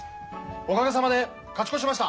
おかげさまで勝ち越しました。